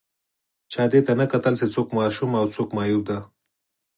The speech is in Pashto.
چا دې ته نه کتل چې څوک ماشوم او څوک معیوب دی